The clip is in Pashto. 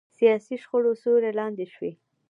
سیاسي شخړو سیوري لاندې شوي.